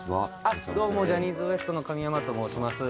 どうもジャニーズＷＥＳＴの神山と申します